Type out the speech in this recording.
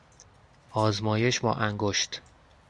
آزمایش با انگشت